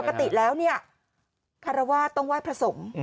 ปกติแล้วฆารวาสตร์ต้องไหว้พระสงฆ์